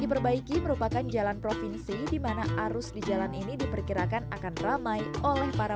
diperbaiki merupakan jalan provinsi dimana arus di jalan ini diperkirakan akan ramai oleh para